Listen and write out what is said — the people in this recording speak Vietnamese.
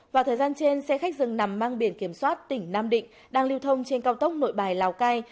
vào thời gian trên xe khách dừng nằm mang biển kiểm soát tỉnh nam định đang lưu thông trên cao tốc nội bài lào cai